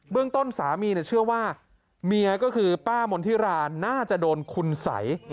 เรื่องต้นสามีเชื่อว่าเมียก็คือป้ามนธิราน่าจะโดนคุณสัย